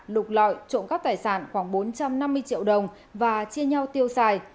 lục lọi trộm cắp tài sản khoảng bốn trăm năm mươi triệu đồng và chia nhau tiêu xài